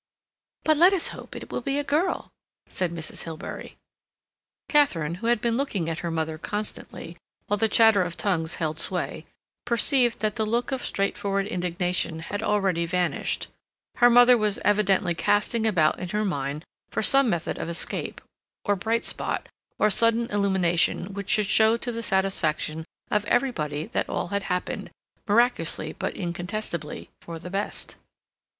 "But let us hope it will be a girl," said Mrs. Hilbery. Katharine, who had been looking at her mother constantly, while the chatter of tongues held sway, perceived that the look of straightforward indignation had already vanished; her mother was evidently casting about in her mind for some method of escape, or bright spot, or sudden illumination which should show to the satisfaction of everybody that all had happened, miraculously but incontestably, for the best.